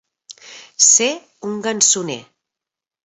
Ser un gansoner.